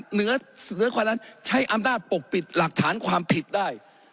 เหนือกว่านั้นใช้อำนาจปกปิดหลักฐานความผิดได้